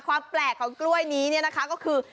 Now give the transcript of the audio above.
ความแปลกของกล้วยนี้เนี่ยนะคะก็คือ